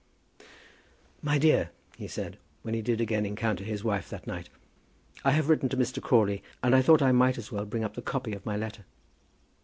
"My dear," he said, when he did again encounter his wife that night, "I have written to Mr. Crawley, and I thought I might as well bring up the copy of my letter."